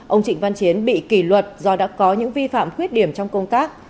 ông trịnh văn chiến bị kỷ luật do đã có những vi phạm khuyết điểm trong công tác